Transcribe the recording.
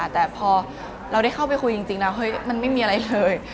แต่พอเราได้เข้าไปคุยจริงแล้วมันไม่มีอะไรเลย